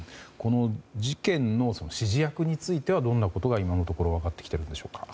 事件の指示役についてはどんなことが今のところ分かってきているんでしょうか。